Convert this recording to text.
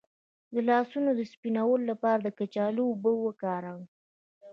د لاسونو د سپینولو لپاره د کچالو اوبه وکاروئ